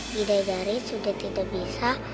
bidadari sudah tidak bisa